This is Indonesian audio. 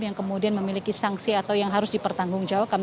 yang kemudian memiliki sanksi atau yang harus dipertanggungjawabkan